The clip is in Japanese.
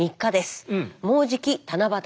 もうじき七夕です。